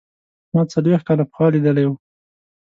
ما څلوېښت کاله پخوا لیدلی و.